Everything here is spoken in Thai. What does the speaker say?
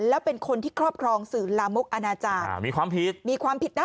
แล้วเป็นคนที่ครอบครองสื่อลามกอนาจารย์อ่ามีความผิดมีความผิดนะ